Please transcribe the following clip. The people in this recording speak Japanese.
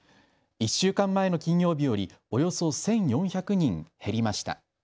１週間前の金曜日よりおよそ１４００人減りました。